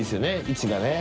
位置がね。